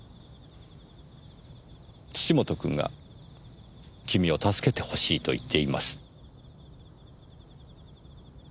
土本君が君を助けてほしいと言っています。